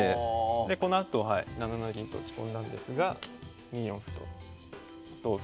でこのあと７七銀と打ち込んだんですが２四歩と同歩